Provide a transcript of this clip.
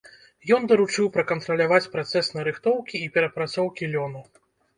Ён даручыў пракантраляваць працэс нарыхтоўкі і перапрацоўкі лёну.